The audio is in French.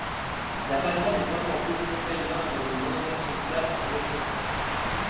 La façade est peinte en rouge pompéien avec des indentations plates au rez-de-chaussée.